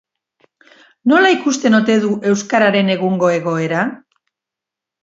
Nola ikusten ote du euskararen egungo egoera?